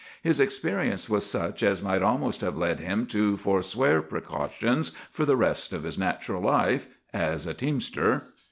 His experience was such as might almost have led him to forswear precautions for the rest of his natural life—as a teamster.